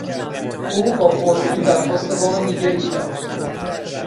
او با پررویی درخواست وام دیگری کرد.